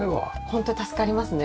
ホント助かりますね。